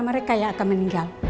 mereka yang akan meninggal